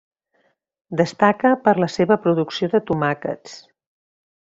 Destaca per la seva producció de tomàquets.